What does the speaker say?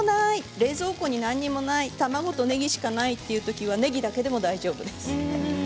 冷蔵庫に何もない卵とねぎしかないという時はねぎだけでも大丈夫です。